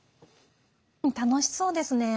楽しそうですね。